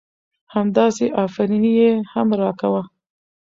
همداسې افرينى يې هم را کوه .